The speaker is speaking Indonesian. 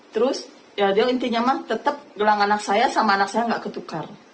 terus ya dia intinya mah tetap gelang anak saya sama anak saya gak ketukar